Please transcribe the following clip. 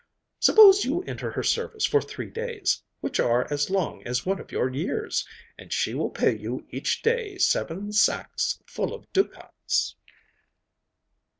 Suppose you enter her service for three days, which are as long as one of your years, and she will pay you each day seven sacks full of ducats.